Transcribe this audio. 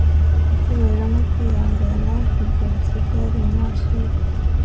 Icyubahiro no kwihangana biryoshye byari mumaso ye